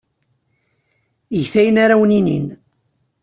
Get ayen ara awen-inin.